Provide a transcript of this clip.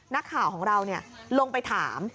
นักข่าวของเราลงไปถาม